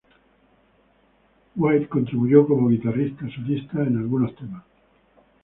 White contribuyó como guitarra solista en algunos temas.